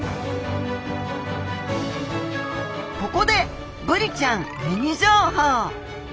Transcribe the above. ここでブリちゃんミニ情報！